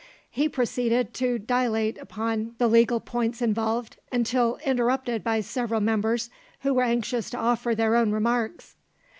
He proceeded to dilate upon the legal points involved, until interrupted by several members who were anxious to offer their own remarks.